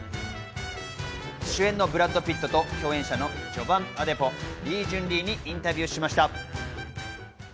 主演のブラッド・ピットと、共演者のジョヴァン・アデポ、リー・ジュン・リーにインタビューしました。